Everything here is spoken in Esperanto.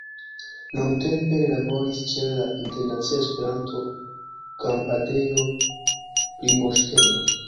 Longtempe li laboris ĉe la Internacia-Esperanto-Kampadejo-Primoŝteno.